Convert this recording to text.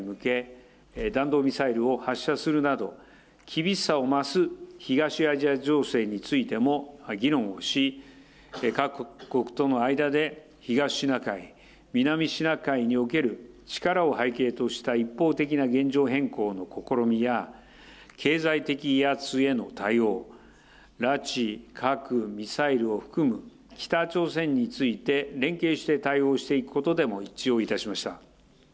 昨日、北朝鮮が日本海に向け、弾道ミサイルを発射するなど、厳しさを増す東アジア情勢についても議論をし、各国との間で東シナ海、南シナ海における力を背景とした一方的な現状変更の試みや、経済的威圧への対応、拉致、核、ミサイルを含む北朝鮮について、連携して対応していくことでも一致をいたしました。